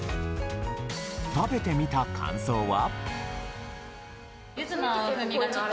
食べてみた感想は。